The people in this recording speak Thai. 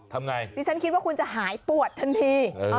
ทำไงดิฉันคิดว่าคุณจะหายปวดทันที